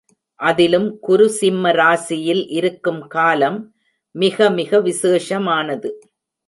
அதிலும் குரு சிம்ம ராசியில் இருக்கும் காலம் மிக மிக விசேஷமானது.